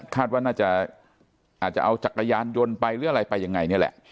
ว่าน่าจะอาจจะเอาจักรยานยนต์ไปหรืออะไรไปยังไงนี่แหละ